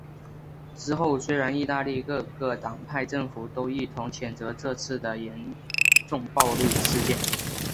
之后虽然意大利各个党派政府都一同谴责这次的严重暴力事件。